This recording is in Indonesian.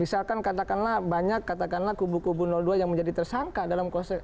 misalkan katakanlah banyak katakanlah kubu kubu dua yang menjadi tersangka dalam kasus